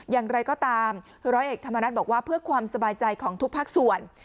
อย่างไรก็ตามร้อยเอกธรรมนัฐบอกว่าเพื่อความสบายใจของทุกภาคส่วน